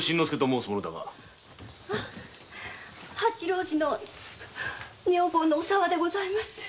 蜂郎次の女房のお沢でございますが。